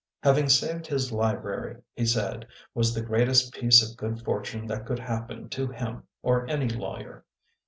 Having saved his library, he said, was the greatest piece of good fortune that could happen to him or any lawyer.